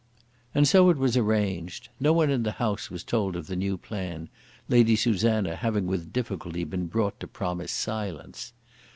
And so it was arranged. No one in the house was told of the new plan, Lady Susanna having with difficulty been brought to promise silence.